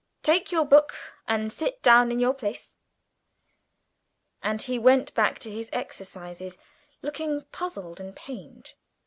Take your book and sit down in your place!" And he went back to his exercises, looking puzzled and pained.